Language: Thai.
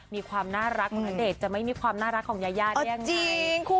มีความน่ารักของณเดชน์จะไม่มีความน่ารักของยายาได้ยังไง